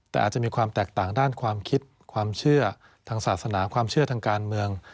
แต่อาจจะมีความแตกต่างด้านความคิดความเชื่อทางศาสนาความเชื่อทางการเมือง